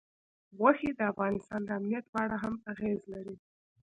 غوښې د افغانستان د امنیت په اړه هم اغېز لري.